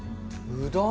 うどん。